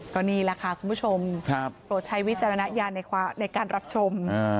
ก็นี่แหละค่ะคุณผู้ชมโปรดใช้วิจารณญาณในการรับชม